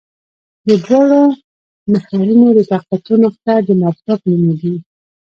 د دواړو محورونو د تقاطع نقطه د مبدا په نوم یادیږي